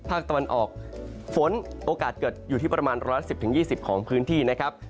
ภาคตะวันออกฝนโอกาสเกิดอยู่ที่ประมาณร้อนละ๑๐๒๐องศาเซียตของพื้นที่